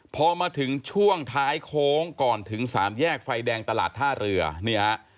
พอมาถึงช่วงท้ายโค้งก่อนถึงสามแยกไฟแดงตลาดท่าเรือนี่ฮะ